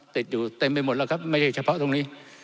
ติดอยู่เต็มไปหมดแล้วครับไม่ใช่เฉพาะตรงนี้